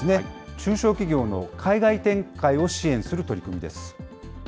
中小企業の海外展開を支援する取り組みです。